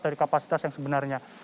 dari kapasitas yang sebenarnya